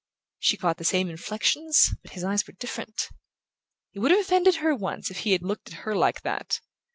She caught the same inflections, but his eyes were different. It would have offended her once if he had looked at her like that.